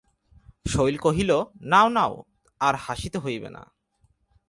শৈল কহিল, নাও নাও, আর হাসিতে হইবে না।